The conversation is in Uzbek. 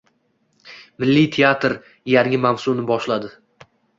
Milliy teatr yangi mavsumni boshladi